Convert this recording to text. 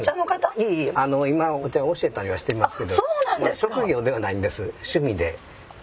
いえいえ今お茶を教えたりはしてますけど職業ではないんです趣味で。